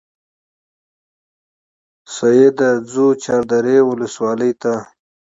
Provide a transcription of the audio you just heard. سیده ځو چاردرې ولسوالۍ ته.